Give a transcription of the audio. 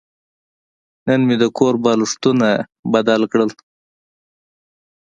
نن مې د کور بالښتونه بدله کړل.